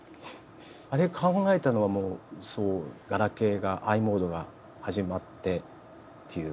あれ考えたのはもうガラケーがｉモードが始まってっていうころだと思いますね。